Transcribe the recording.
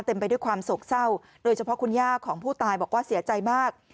ไปด้วยความโศกเศร้าโดยเฉพาะคุณย่าของผู้ตายบอกว่าเสียใจมาก